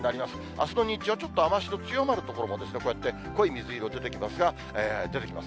あすの日中はちょっと雨足の強まる所も、こうやって濃い水色出てきますが、出てきます。